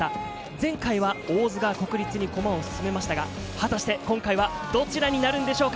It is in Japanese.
前回は大津が国立に駒を進めましたが、果たして今回はどちらになるんでしょうか。